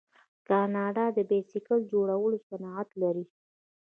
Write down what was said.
کاناډا د بایسکل جوړولو صنعت لري.